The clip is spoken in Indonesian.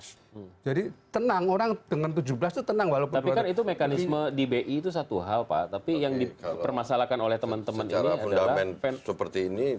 secara pendalaman seperti ini